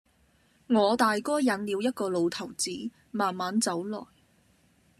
我大哥引了一個老頭子，慢慢走來；